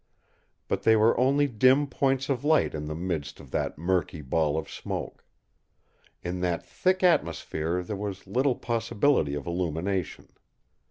But they were only dim points of light in the midst of that murky ball of smoke. In that thick atmosphere there was little possibility of illumination.